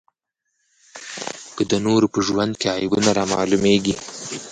که د نورو په ژوند کې عیبونه رامعلومېږي.